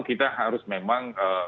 kita harus memang